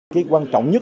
cái quan trọng nhất